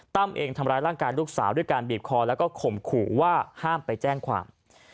เองทำร้ายร่างกายลูกสาวด้วยการบีบคอแล้วก็ข่มขู่ว่าห้ามไปแจ้งความ